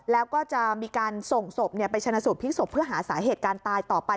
แล้วก็จะมีการส่งสบเนี่ยไปชนะสูบพลิกสบเพื่อหาสาเหตุการตายต่อไป